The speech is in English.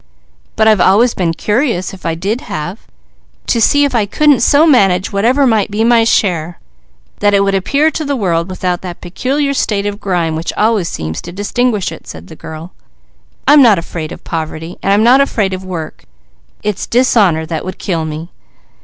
But I've always been curious, if I did have, to see if I couldn't so manage whatever might be my share, that it would appear to the world without that peculiar state of grime which always seems to distinguish it," said the girl. "I'm not afraid of poverty, and I'm not afraid of work; it's dishonour that would kill me.